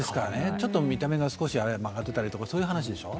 ちょっと見た目が少し曲がってたりとかそういう話でしょ？